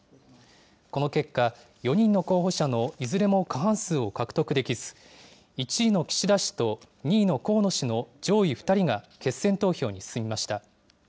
この結果、４人の候補者のいずれも過半数を獲得できず、１位の岸田氏と２位の河野氏の上位２人が決選投票に進みました。